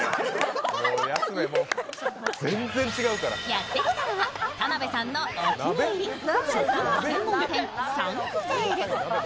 やってきたのは田辺さんのお気に入り、食の専門店サンクゼール。